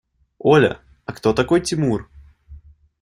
Оля, а кто такой Тимур?